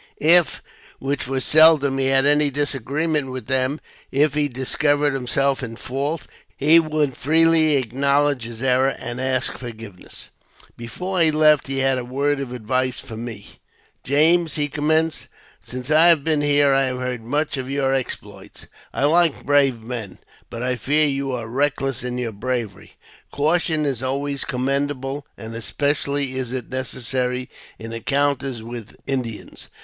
If, which was seldom, he had any disagreement with them, if he discovered himself in fault, he would freely acknowledge his error, and ask forgiveness. Before he left he had a word of advice for me. " James," he commenced, " since I have been here I have heard much of your exploits. I like brave men, but I fear you are reckless in your bravery. Caution is always commendable, and especially is it necessary in encounters with Indians.